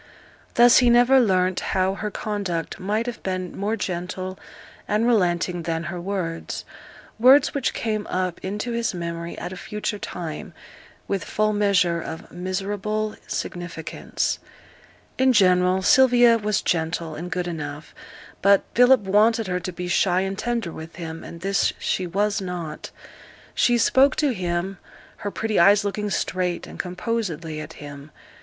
Thus he never learnt how her conduct might have been more gentle and relenting than her words words which came up into his memory at a future time, with full measure of miserable significance. In general, Sylvia was gentle and good enough; but Philip wanted her to be shy and tender with him, and this she was not. She spoke to him, her pretty eyes looking straight and composedly at him.